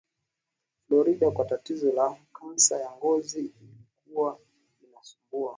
Florida kwa tatizo la kansa ya ngozi iliyokuwa inamsumbua